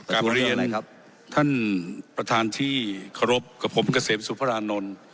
การประเทศอะไรครับท่านประทานที่ขอรบกับผมเกษมสุภารานนทร์